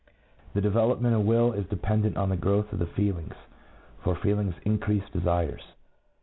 The development of will is dependent on the growth of the feelings, for feelings increase desires.